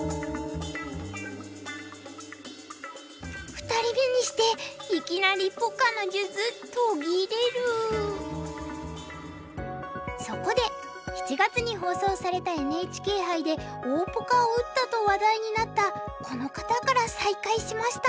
２人目にしていきなりそこで７月に放送されたＮＨＫ杯で大ポカを打ったと話題になったこの方から再開しました。